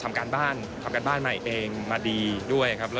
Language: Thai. ทำการบ้านทำการบ้านใหม่เองมาดีด้วยครับ